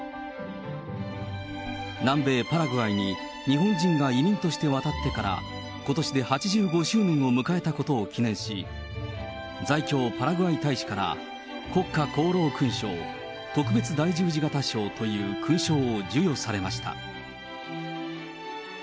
南米パラグアイに日本人が移民として渡ってからことしで８５周年を迎えたことを記念し、在京パラグアイ大使から、国家功労勲章特別大十字型章という勲章を授与されました。